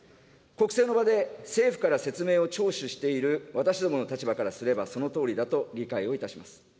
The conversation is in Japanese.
国政の場で、政府から説明を聴取している私どもの立場からすればそのとおりだと理解をいたします。